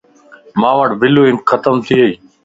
مان وٽ بلوانڪ ختمَ